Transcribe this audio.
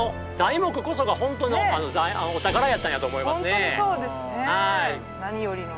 本当にそうですね。